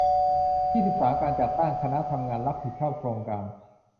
ยี่สิบสาม การจัดตั้งคณะทำงานรับผิดชอบโครงการ